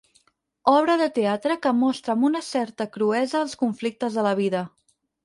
Obra de teatre que mostra amb una certa cruesa els conflictes de la vida.